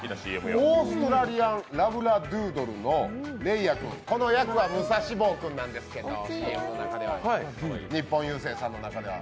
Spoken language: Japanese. オーストラリアン・ラブラドゥードルのレイア君この役は武蔵坊君なんですけど、日本郵政さんの中では。